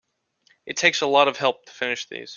It takes a lot of help to finish these.